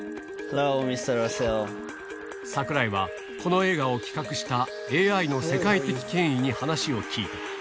櫻井は、この映画を企画した、ＡＩの世界的権威に話を聞いた。